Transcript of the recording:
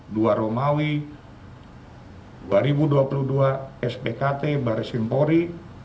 di lima puluh delapan dua romawi dua ribu dua puluh dua spkt baris kempori